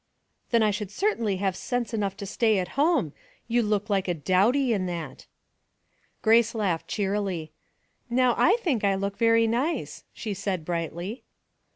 '* Then I should certainly have sense enough to stay at home. You look like a dowdy in that." 40 Household Puzzles. Grace laughed cheerily. "Now, I think I look very nice," she said, brightly.